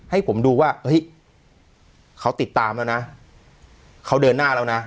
ให้ผมดูว่าเฮ้ยเขาติดตามแล้วนะเขาเดินหน้าแล้วนะ